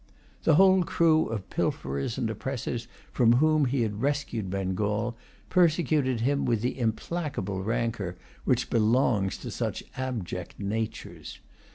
The whole crew of pilferers and oppressors from whom he had rescued Bengal persecuted him with the implacable rancour which belongs to such abject natures.